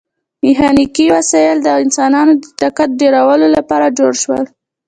میخانیکي وسایل د انسانانو د طاقت ډیرولو لپاره جوړ شول.